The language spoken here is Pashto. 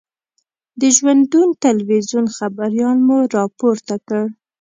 د ژوندون تلویزون خبریال مو را پورته کړ.